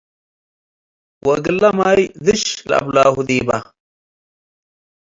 ወእግለ ማይ ድሸ ለአብላሁ ዲበ ።